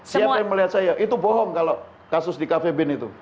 siapa yang melihat saya itu bohong kalau kasus di cafe bin itu